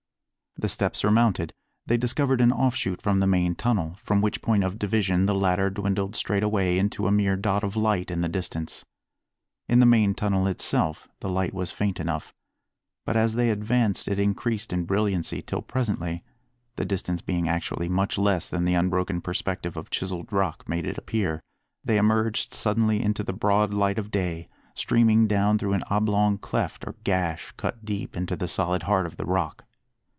The steps surmounted, they discovered an offshoot from the main tunnel, from which point of division the latter dwindled straight away into a mere dot of light in the distance. In the main tunnel itself the light was faint enough; but as they advanced it increased in brilliancy till presently the distance being actually much less than the unbroken perspective of chiselled rock made it appear they emerged suddenly into the broad light of day, streaming down through an oblong cleft or gash cut deep into the solid heart of the Rock.